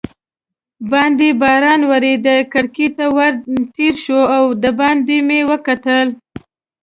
باندې باران ورېده، کړکۍ ته ور تېر شوم او دباندې مې وکتل.